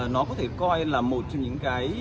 nó có thể coi là một trong những cái